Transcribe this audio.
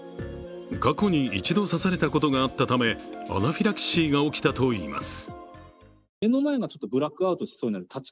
過去に一度刺されたことがあったため、アナフィラキシーが起きたといいます。